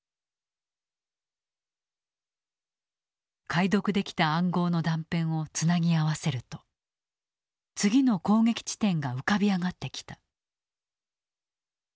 解読できた暗号の断片をつなぎ合わせると次の攻撃地点が浮かび上がってきた。